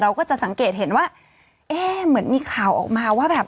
ก็จะสังเกตเห็นว่าเอ๊ะเหมือนมีข่าวออกมาว่าแบบ